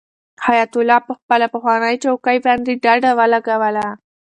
حیات الله په خپله پخوانۍ چوکۍ باندې ډډه ولګوله.